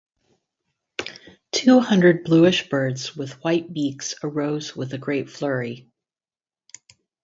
Two hundred bluish birds with white beaks arose with a great flurry.